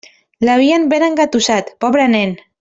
L'havien ben engatussat, pobre nen.